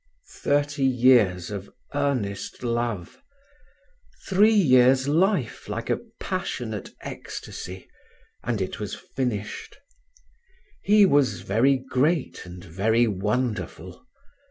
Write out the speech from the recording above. "Thirty years of earnest love; three years' life like a passionate ecstasy and it was finished. He was very great and very wonderful.